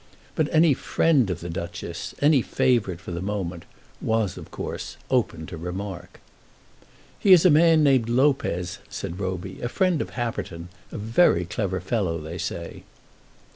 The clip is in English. But any friend of the Duchess, any favourite for the moment, was, of course, open to remark. "He is a man named Lopez," said Roby, "a friend of Happerton; a very clever fellow, they say."